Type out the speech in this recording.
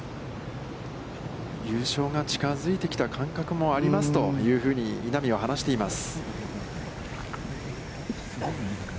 優勝が近づいてきた感覚もありますというふうに稲見は話しています。